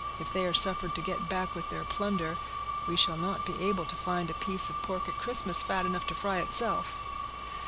If they are suffered to get back with their plunder, we shall not be able to find a piece of pork at Christmas fat enough to fry itself."